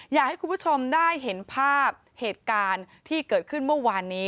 อยากให้คุณผู้ชมได้เห็นภาพเหตุการณ์ที่เกิดขึ้นเมื่อวานนี้